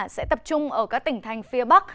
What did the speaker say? sẽ tập trung ở các tỉnh thành phía bắc